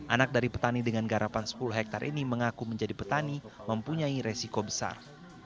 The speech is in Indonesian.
anak dari petani dengan garapan sepuluh hektare ini mengaku menjadi petani mempunyai resiko besar